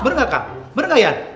bener nggak kak bener nggak ian